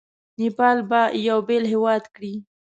نیپال به یو بېل هیواد کړي.